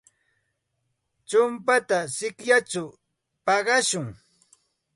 Chumpata sikyachaw paqashun.